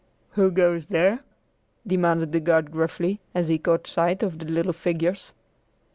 "Who goes there?" demanded the guard gruffly, as he caught sight of the little figures.